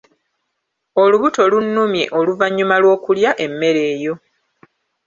Olubuto lunnumye oluvannyuma lw'okulya emmere eyo.